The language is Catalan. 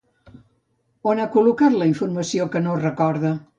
On ha col·locat la informació que no recorda?